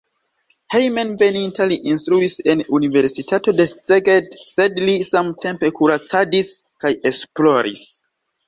Hejmenveninta li instruis en universitato de Szeged, sed li samtempe kuracadis kaj esploris.